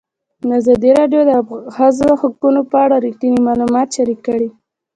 ازادي راډیو د د ښځو حقونه په اړه رښتیني معلومات شریک کړي.